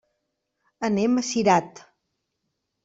Anem a Cirat.